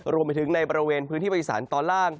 รวมไปถึงในบริเวณพื้นที่ประอิสานตอนล่าง